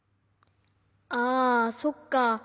あそっか。